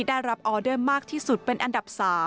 ได้รับออเดอร์มากที่สุดเป็นอันดับ๓